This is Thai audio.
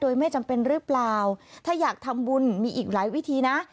โดยไม่จำเป็นหรือเปล่าถ้าอยากทำบุญมีอีกหลายวิธีนะ